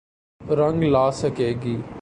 رنگ لا سکے گی۔